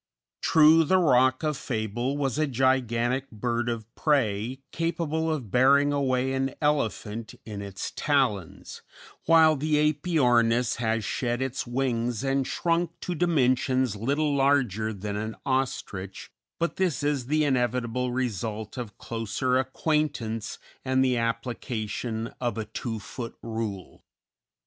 True, the Roc of fable was a gigantic bird of prey capable of bearing away an elephant in its talons, while the Æpyornis has shed its wings and shrunk to dimensions little larger than an ostrich, but this is the inevitable result of closer acquaintance and the application of a two foot rule.